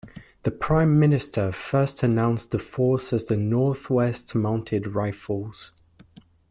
The Prime Minister first announced the force as the "North West Mounted Rifles".